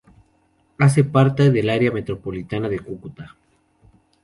Hace parte del Área Metropolitana de Cúcuta.